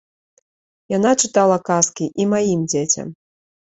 Яна чытала казкі і маім дзецям.